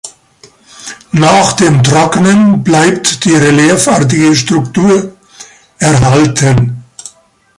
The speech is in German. Nach dem Trocknen bleibt die reliefartige Struktur erhalten.